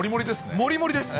もりもりですね。